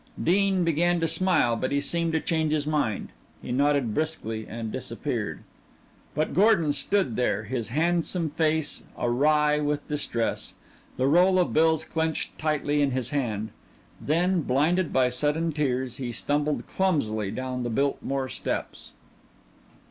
Dean, began to smile, but seemed to change his mind. He nodded briskly and disappeared. But Gordon stood there, his handsome face awry with distress, the roll of bills clenched tightly in his hand. Then, blinded by sudden tears, he stumbled clumsily down the Biltmore steps.